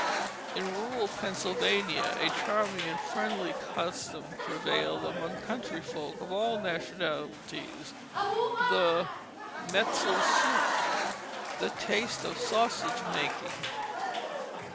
In rural Pennsylvania a charming and friendly custom prevailed among country folk of all nationalities the "metzel soup," the "taste" of sausage making.